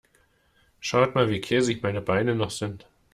Schaut mal, wie käsig meine Beine noch sind.